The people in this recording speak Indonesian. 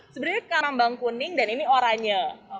sebenarnya kan rambang kuning dan ini oranye